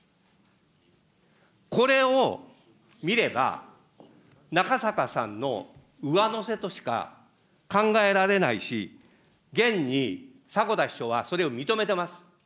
これを見れば、中坂さんの上乗せとしか考えられないし、現に迫田秘書はそれを認めてます。